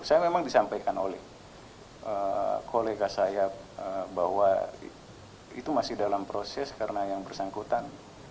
saya memang disampaikan oleh kolega saya bahwa itu masih dalam proses karena yang bersangkutan